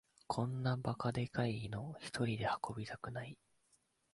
こんなバカでかいのひとりで運びたくない